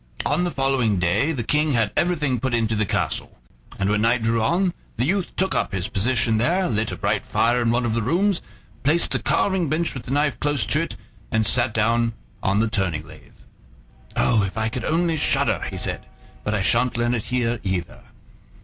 On the following day the King had everything put into the castle; and when night drew on the youth took up his position there, lit a bright fire in one of the rooms, placed the carving bench with the knife close to it, and sat himself down on the turning lathe. "Oh! if I could only shudder!" he said: "but I sha'n't learn it here either."